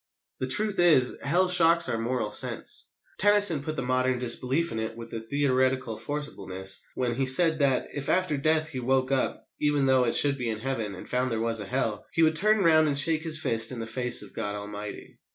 The truth is, Hell shocks our moral sense. Tennyson put the modern disbelief in it with a theatrical forcibleness when he said that, if after death he woke up, even though it should be in Heaven, and found there was a Hell, he would turn round and shake his fist in the face of God Almighty.